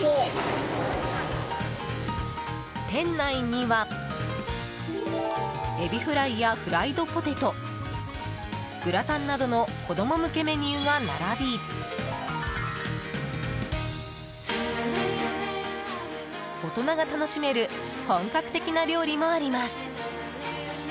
店内にはエビフライやフライドポテト、グラタンなどの子供向けメニューが並び大人が楽しめる本格的な料理もあります。